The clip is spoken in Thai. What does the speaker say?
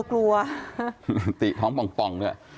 บางทีติลิงท้องป่อง